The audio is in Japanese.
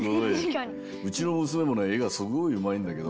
うちのむすめもねえがすごいうまいんだけど。